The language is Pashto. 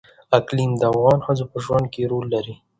اقلیم د افغان ښځو په ژوند کې رول لري.